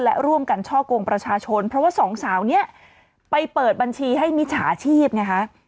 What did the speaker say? และร่วมกันช่อกงประชาชนเพราะว่าสองสาวนี้ไปเปิดบัญชีให้มิจฉาชีพไงคะ